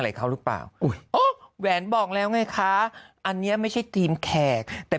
อะไรเขาหรือเปล่าอุ้ยโอ้แหวนบอกแล้วไงคะอันนี้ไม่ใช่ทีมแขกแต่